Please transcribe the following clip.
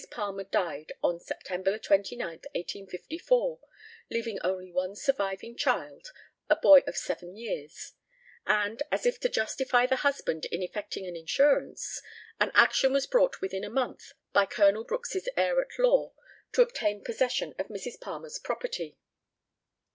Palmer died on September 29, 1854, leaving only one surviving child, a boy of seven years; and, as if to justify the husband in effecting an insurance, an action was brought within a month by Colonel Brookes's heir at law, to obtain possession of Mrs. Palmer's property.